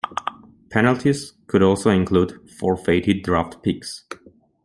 Penalties could also include forfeited draft picks.